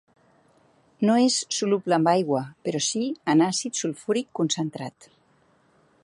No és soluble en aigua, però si en àcid sulfúric concentrat.